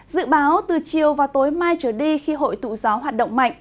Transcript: dự báo từ chiều và tối mai trở đi khi hội tụ gió hoạt động mạnh